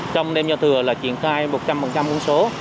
trong đêm giao thừa là triển khai một trăm linh quân số